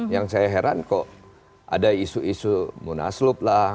yang saya heran kok ada isu isu munaslup lah